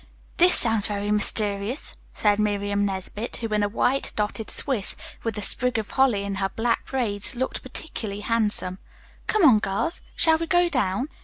"This sounds very mysterious," said Miriam Nesbit, who in a white dotted Swiss, with a sprig of holly in her black braids, looked particularly handsome. "Come on, girls, shall we go down?"